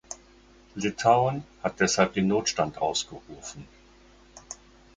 Litauen hat deshalb den Notstand ausgerufen.